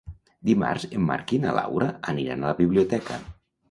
Dimarts en Marc i na Laura aniran a la biblioteca.